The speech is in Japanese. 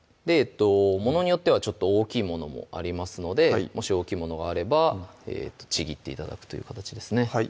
ものによってはちょっと大きいものもありますのでもし大きいものがあればちぎって頂くという形ですね